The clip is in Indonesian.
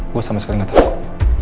gue sama sekali gak takut